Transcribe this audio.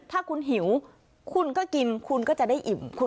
ถ้าคุณหิวคุณก็กินก็ได้บุญ